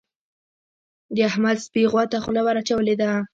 د احمد سپي غوا ته خوله ور اچولې ده.